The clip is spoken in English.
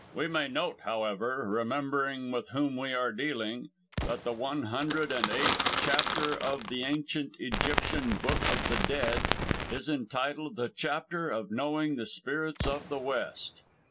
We may note, however, remembering with whom we are dealing, that the one hundred and eighth chapter of the Ancient Egyptian Book of the Dead, is entitled 'The Chapter of Knowing the Spirits of the West.'